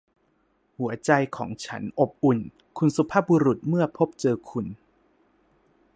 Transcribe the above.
หัวใจของฉันอบอุ่น คุณสุภาพบุรุษ เมื่อพบเจอคุณ